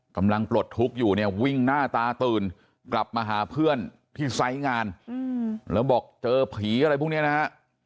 ปลดทุกข์อยู่เนี่ยวิ่งหน้าตาตื่นกลับมาหาเพื่อนที่ไซส์งานแล้วบอกเจอผีอะไรพวกนี้นะฮะ